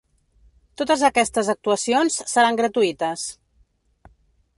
Totes aquestes actuacions seran gratuïtes.